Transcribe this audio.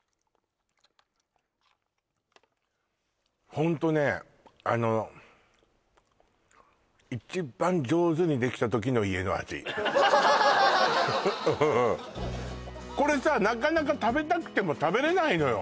ホントねあのうんこれさなかなか食べたくても食べれないのよ